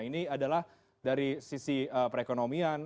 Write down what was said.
ini adalah dari sisi perekonomian